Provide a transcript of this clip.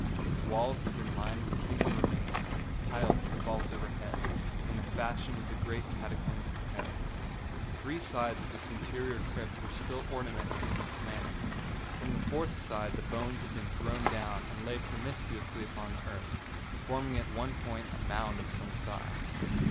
Its walls had been lined with human remains, piled to the vault overhead, in the fashion of the great catacombs of Paris. Three sides of this interior crypt were still ornamented in this manner. From the fourth the bones had been thrown down, and lay promiscuously upon the earth, forming at one point a mound of some size.